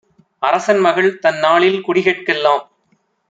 அரசன்மகள் தன்நாளில் குடிகட் கெல்லாம்